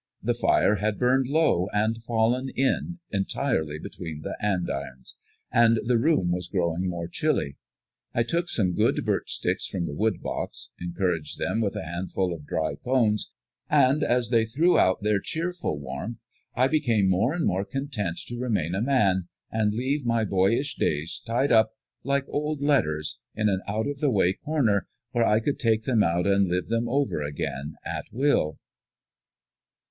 The fire had burned low, had fallen in entirely between the andirons, and the room was growing more chilly. I took some good birch sticks from the wood box, encouraged them with a handful of dry cones, and, as they threw out their cheerful warmth, I became more and more content to remain a man, and leave my boyish days tied up, like old letters, in an out of the way corner where I could take them out and live them over again at will.